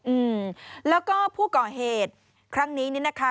อืมแล้วก็ผู้ก่อเหตุครั้งนี้นี่นะคะ